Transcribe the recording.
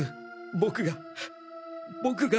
僕が僕が。